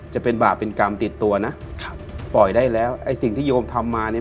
จะเป็นบาปเป็นกรรมติดตัวนะครับปล่อยได้แล้วไอ้สิ่งที่โยมทำมาเนี่ย